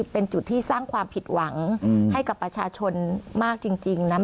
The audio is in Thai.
เป็นจุดที่สร้างความผิดหวังให้กับประชาชนมากจริงนะ